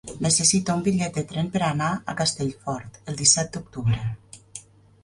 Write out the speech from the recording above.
Necessito un bitllet de tren per anar a Castellfort el disset d'octubre.